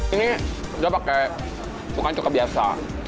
ini saya pakai cuka cuka biasa